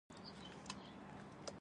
دا وخت سېرېنا ته زنګ راغی.